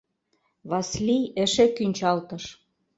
Васлий эше кӱнчалтыш.